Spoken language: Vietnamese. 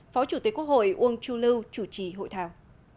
phó chủ tịch quốc hội uông chu lưu chủ trì hội thảo